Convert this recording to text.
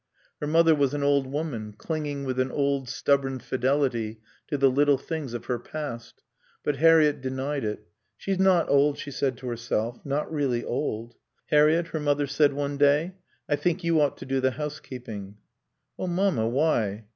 Her mother was an old woman, clinging with an old, stubborn fidelity to the little things of her past. But Harriett denied it. "She's not old," she said to herself. "Not really old." "Harriett," her mother said one day. "I think you ought to do the housekeeping." "Oh, Mamma, why?"